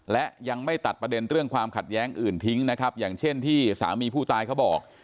และยังไม่ตัดประเด็นเรื่องความขัดแย้งอื่นทิ้งนะครับอย่างเช่นที่สามีผู้ตายเขาบอก